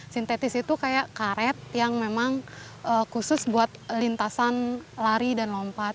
sintetis itu kayak karet yang memang khusus buat lintasan lari dan lompat